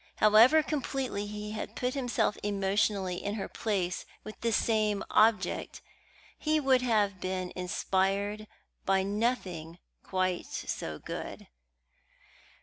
However completely he had put himself emotionally in her place with this same object, he would have been inspired by nothing quite so good.